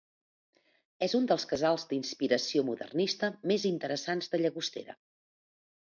És un dels casals d'inspiració modernista més interessants de Llagostera.